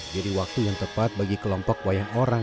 jadi waktu yang tepat bagi kelompok wayang orang